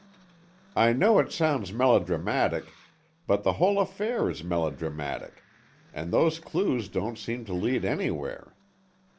"I know it sounds melodramatic, but the whole affair is melodramatic, and those clues don't seem to lead anywhere.